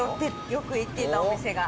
よく行っていたお店が。